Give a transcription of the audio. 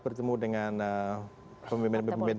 bertemu dengan pemimpin pemimpin